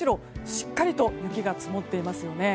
しっかりと雪が積もっていますよね。